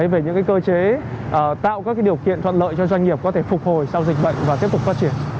về những cơ chế tạo các điều kiện thuận lợi cho doanh nghiệp có thể phục hồi sau dịch bệnh và tiếp tục phát triển